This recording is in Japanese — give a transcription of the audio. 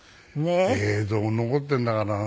映像残っているんだから。